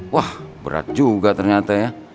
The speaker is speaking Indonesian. wah berat juga ternyata ya